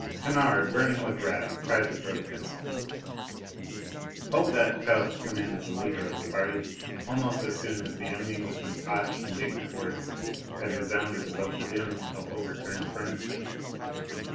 Kennard, burning with wrath, tried to protest. "Hold that cub!" commanded the leader of the party, almost as soon as the young Englishman's hot, indignant words had resounded above the din of overturned furniture.